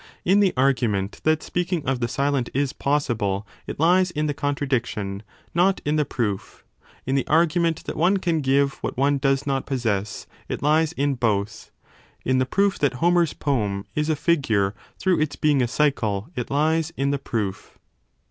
In the argument that speaking of the silent is possible it lies in the contradiction, not in the proof; in the argument that one can give what one does 10 not possess, it lies in both ; in the proof that Homer s poem is a figure through its being a cycle it lies in the proof.